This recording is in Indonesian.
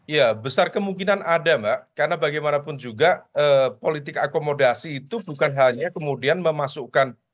ya besar kemungkinan ada mbak karena bagaimanapun juga politik akomodasi itu bukan hanya kemudian memasukkan